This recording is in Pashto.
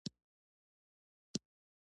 نن پخپله د ښکاري غشي ویشتلی